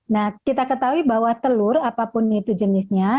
nah kita ketahui bahwa telur apapun itu jenisnya